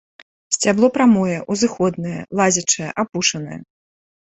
Сцябло прамое, узыходнае, лазячае, апушанае.